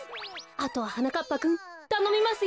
あとははなかっぱくんたのみますよ！